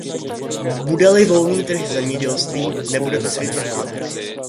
Bude-li volný trh v zemědělství, nebude ve světě hlad.